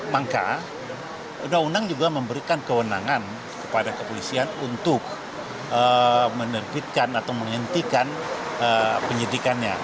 maka undang undang juga memberikan kewenangan kepada kepolisian untuk menerbitkan atau menghentikan penyidikannya